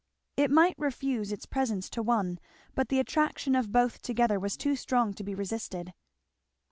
It might refuse its presence to one, but the attraction of both together was too strong to be resisted.